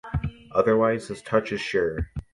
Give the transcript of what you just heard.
Otherwise his touch is sure.